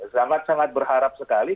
sangat sangat berharap sekali